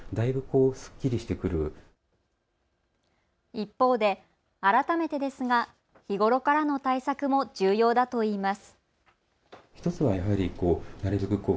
一方で、改めてですが日頃からの対策も重要だといいます。